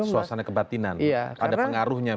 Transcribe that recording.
suasana kebatinan ada pengaruhnya